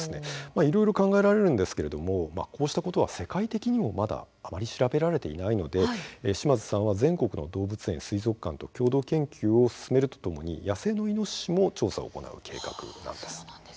いろいろ考えられるんですけれどこうしたことは世界的にもまだあまり調べられていないので島津さんは全国の動物園、水族館と共同研究を進めるとともに野生のイノシシも調査を行う計画なんです。